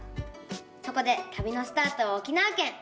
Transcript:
そこでたびのスタートは沖縄県。